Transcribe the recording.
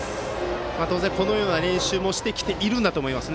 当然、このような練習をしてきていると思います。